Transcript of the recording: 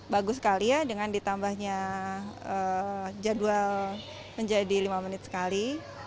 bagus sekali ya dengan ditambahnya jadwal menjadi lima menit sekali